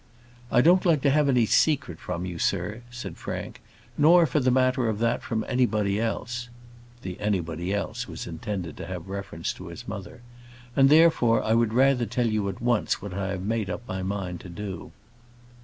"I don't like to have any secret from you, sir," said Frank; "nor, for the matter of that, from anybody else" the anybody else was intended to have reference to his mother "and, therefore, I would rather tell you at once what I have made up my mind to do."